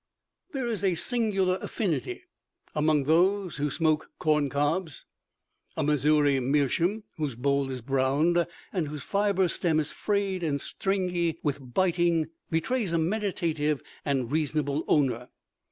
There is a singular affinity among those who smoke corncobs. A Missouri meerschaum whose bowl is browned and whose fiber stem is frayed and stringy with biting betrays a meditative and reasonable owner.